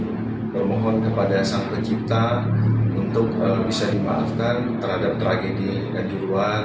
kami memohon kepada sang pencipta untuk bisa dimaafkan terhadap tragedi dan juruhan